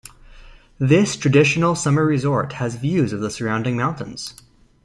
This traditional summer resort has views of the surrounding mountains.